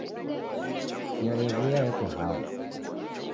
Chia yewuya yeko hao